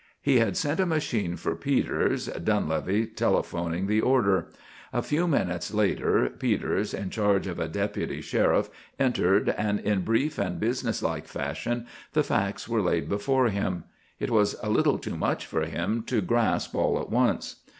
He had sent a machine for Peters, Dunlevy telephoning the order. A few moments later Peters, in charge of a deputy sheriff, entered and in brief and business like fashion the facts were laid before him. It was a little too much for him to grasp all at once.